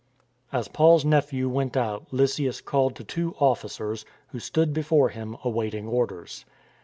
As Paul's nephew went out Lysias called to two officers, who stood before him awaiting orders.